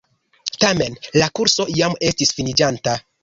Tamen la kurso jam estis finiĝanta.